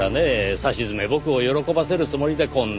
さしずめ僕を喜ばせるつもりでこんな浅はかな演出を。